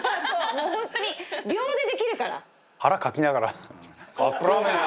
もう本当に秒でできるから。